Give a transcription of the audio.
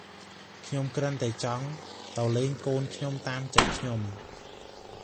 ខ្ញុំគ្រាន់តែចង់ទៅលេងកូនខ្ញុំតាមចិត្តខ្ញុំ ។